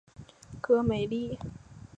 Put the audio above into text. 戈梅利。